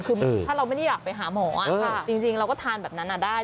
คือถ้าเราไม่ได้อยากไปหาหมออ่ะค่ะจริงจริงเราก็ทานแบบนั้นอ่ะได้